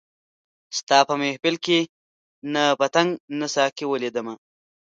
ستا په محفل کي نه پتنګ نه ساقي ولیدمه